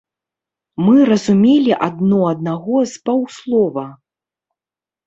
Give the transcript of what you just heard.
Мы разумелі адно аднаго з паўслова.